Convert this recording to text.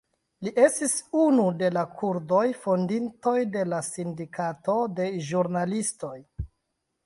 Li estis unu de la kurdoj fondintoj de la Sindikato de Ĵurnalistoj.